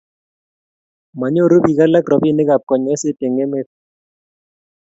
manyoru biik alak robinikab kanyoiset eng' emet